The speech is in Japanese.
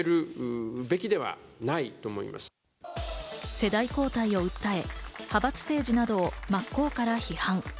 世代交代を訴え、派閥政治などを真っ向から批判。